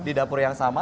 di dapur yang sama